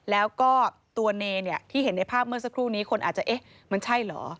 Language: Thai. แล้วก็ตัวเนเนี่ยที่เห็นในภาพเมื่อสักครู่นี้คนอาจจะเอ๊ะมันใช่เหรอ